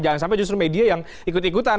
jangan sampai justru media yang ikut ikutan